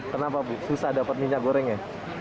kenapa susah dapat minyak gorengnya